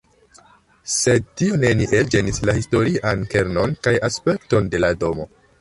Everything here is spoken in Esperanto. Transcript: Sed tio neniel ĝenis la historian kernon kaj aspekton de la domo.